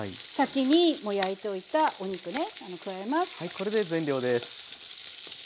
これで全量です。